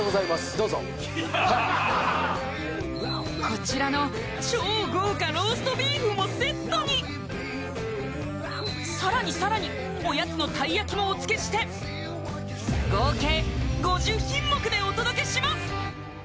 どうぞこちらの超豪華ローストビーフもセットにさらにさらにおやつのたい焼きもお付けして合計５０品目でお届けします